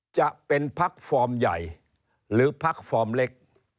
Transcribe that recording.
จะเป็นพักฟอร์มใหญ่หรือพักฟอร์มเล็ก